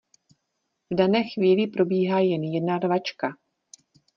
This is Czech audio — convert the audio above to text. V dané chvíli probíhá jen jedna rvačka!